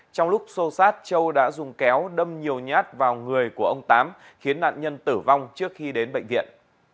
trong lúc xô xát châu đã dùng kéo đâm nhiều nhát vào người của ông tám khiến nạn nhân tử vong trước khi đến bệnh viện